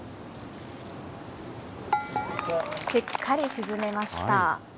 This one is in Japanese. しっかり沈めました。